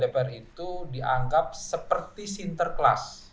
dpr itu dianggap seperti sinterklas